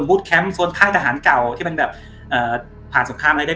แคมป์โซนค่ายทหารเก่าที่มันแบบผ่านสงครามอะไรได้